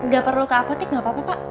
gak perlu ke apotik gak apa apa pak